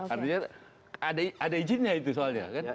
artinya ada izinnya itu soalnya kan